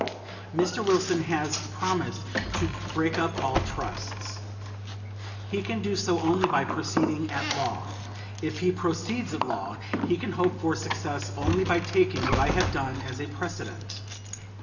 Mr. Wilson has promised to break up all trusts. He can do so only by proceeding at law. If he proceeds at law, he can hope for success only by taking what I have done as a precedent.